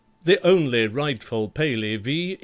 The only rightful PALEY V.